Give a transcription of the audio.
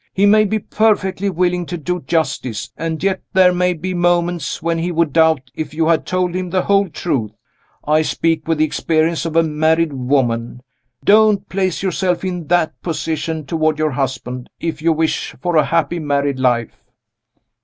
He may be perfectly willing to do you justice and yet, there may be moments when he would doubt if you had told him the whole truth. I speak with the experience of a married woman. Don't place yourself in that position toward your husband, if you wish for a happy married life."